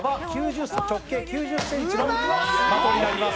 直径９０ｃｍの的になります。